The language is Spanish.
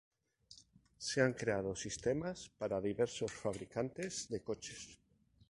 Se han creado sistemas para diversos fabricantes de coches.